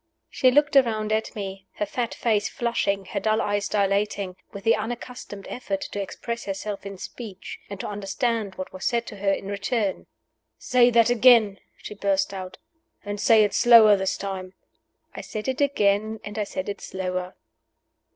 She looked around at me, her fat face flushing, her dull eyes dilating, with the unaccustomed effort to express herself in speech, and to understand what was said to her in return. "Say that again," she burst out. "And say it slower this time." I said it again, and I said it slower.